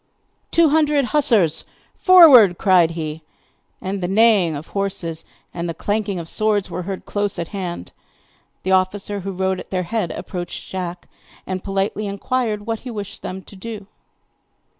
'Two hundred hussars, forward!' cried he. And the neighing of horses and the clanking of swords were heard close at hand. The officer who rode at their head approached Jack, and politely inquired what he wished them to do.